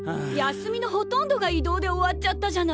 休みのほとんどが移動で終わっちゃったじゃない。